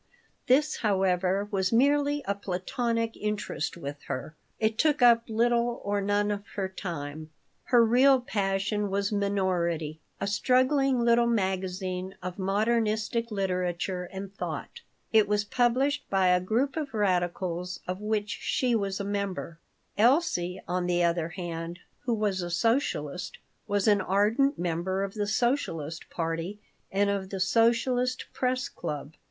This, however, was merely a platonic interest with her. It took up little or none of her time. Her real passion was Minority, a struggling little magazine of "modernistic literature and thought." It was published by a group of radicals of which she was a member. Elsie, on the other hand, who was a socialist, was an ardent member of the Socialist party and of the Socialist Press Club.